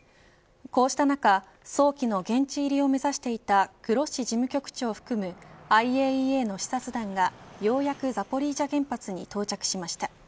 こうした中、早期の現地入りを目指していたグロッシ事務局長を含むＩＡＥＡの視察団がようやくザポリージャ原発に到着しました。